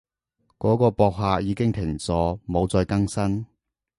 嗰個博客已經停咗，冇再更新